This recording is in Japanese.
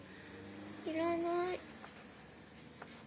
いらない。